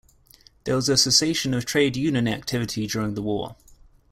There was a cessation of Trade Union activity during the war.